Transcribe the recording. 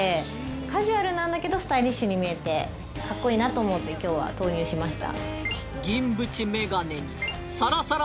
カジュアルなんだけどスタイリッシュに見えてカッコいいなと思って今日は投入しました。